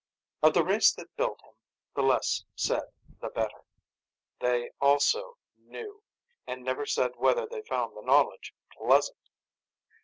Of the race that built him, the less said the better. They also Knew, and never said whether they found the knowledge pleasant.